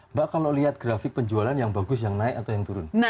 mbak kalau lihat grafik penjualan yang bagus yang naik atau yang turun